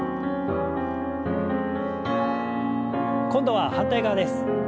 今度は反対側です。